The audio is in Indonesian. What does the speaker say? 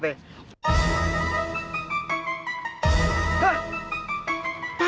pak suki kok daun